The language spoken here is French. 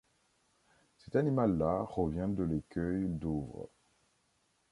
Cet animal-là revient de l’écueil Douvres.